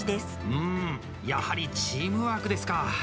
うんやはりチームワークですか。